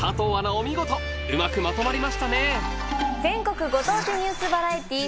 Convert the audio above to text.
お見事うまくまとまりましたね